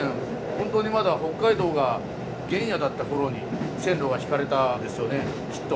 本当にまだ北海道が原野だったころに線路が敷かれたんですよねきっと。